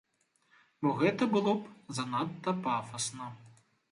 Бо гэта было б занадта пафасна.